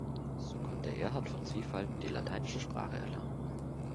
So konnte Erhard von Zwiefalten die lateinische Sprache erlernen.